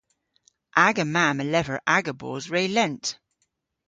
Aga mamm a lever aga bos re lent.